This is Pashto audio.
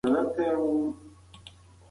غوړ خواړه د ځیګر لپاره ښه نه دي.